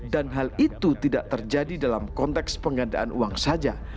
dan hal itu tidak terjadi dalam konteks penggandaan uang saja